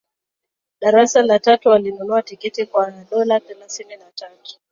darasa la tatu walinunua tikiti kwa dola thelasini na tatu